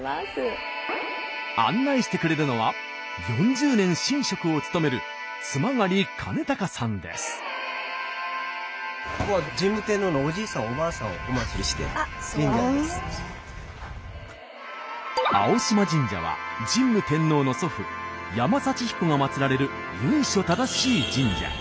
案内してくれるのは４０年神職を務める青島神社は神武天皇の祖父山幸彦が祀られる由緒正しい神社。